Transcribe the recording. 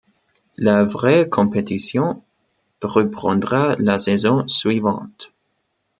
La vraie compétition reprendra la saison suivante.